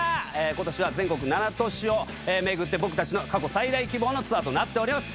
今年は全国７都市を巡って僕たちの過去最大規模のツアーとなっております